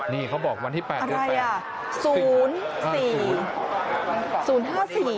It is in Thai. นี่เขาบอกวันที่๘นึง๘นึง